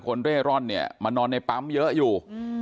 คนเร่ร่อนมานอนในปั๊มเยอะอยู่